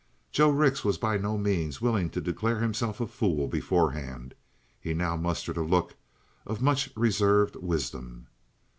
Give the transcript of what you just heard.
Joe Rix was by no means willing to declare himself a fool beforehand. He now mustered a look of much reserved wisdom.